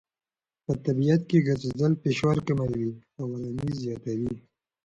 په طبیعت کې ګرځېدل فشار کموي او آرامۍ زیاتوي.